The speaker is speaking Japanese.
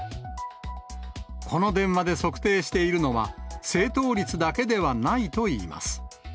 この電話で測定しているのは、正答率だけではないといいます。